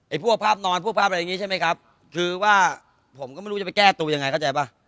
พวกภาพนอนพวกภาพอะไรอย่างนี้ใช่ไหมครับคือว่าผมก็ไม่รู้จะไปแก้ตัวยังไงเข้าใจป่ะ